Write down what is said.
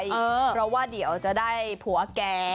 เพราะว่าเดี๋ยวจะได้ผัวแก